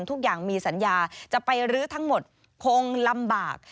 ทุกอย่างมีสัญญาจะไปรื้อทั้งหมดคงลำบาก